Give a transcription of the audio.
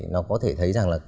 nó có thể thấy rằng là